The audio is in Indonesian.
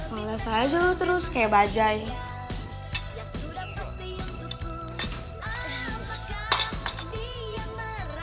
biasa aja lo terus kayak bajaj